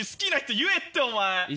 言えってお前。